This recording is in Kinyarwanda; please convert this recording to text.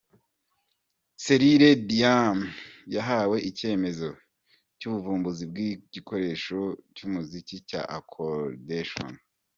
Cyrill Demian yahawe icyemezo cy'ubuvumbuzi bw'igikoresho cy'umuziki cya Accordion.